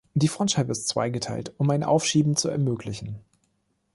Die Frontscheibe ist zweigeteilt, um ein Aufschieben zu ermöglichen.